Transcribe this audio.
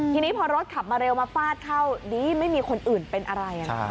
ทีนี้พอรถขับมาเร็วมาฟาดเข้าดีไม่มีคนอื่นเป็นอะไร